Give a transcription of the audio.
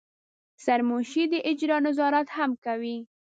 سرمنشي د اجرا نظارت هم کوي.